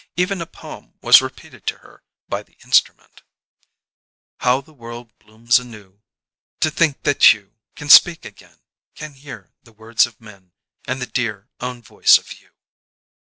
Even a poem was repeated to her by the instrument: How the world blooms anew To think that you Can speak again, Can hear The words of men And the dear Own voice of you.